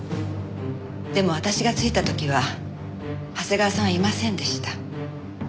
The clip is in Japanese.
でも私が着いた時は長谷川さんはいませんでした。